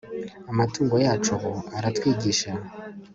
amatungo yacu ubu aratwigisha